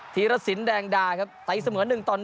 ธีรศิลป์แดงดาครับไตล์เสมอ๑๑